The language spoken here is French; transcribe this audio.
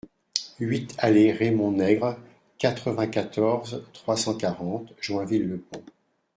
huit allée Raymond Nègre, quatre-vingt-quatorze, trois cent quarante, Joinville-le-Pont